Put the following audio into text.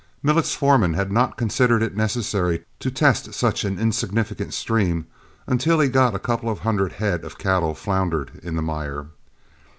Millet's foreman had not considered it necessary to test such an insignificant stream until he got a couple of hundred head of cattle floundering in the mire.